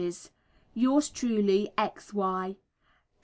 Yours truly, X. Y.